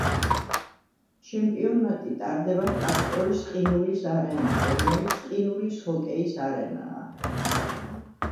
ჩემპიონატი ტარდება ტრაქტორის ყინულის არენაზე, რომელიც ყინულის ჰოკეის არენაა.